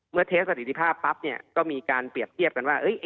เมื่อเทสสถิธิภาพปั๊บก็มีการเปรียบเกียบกันว่า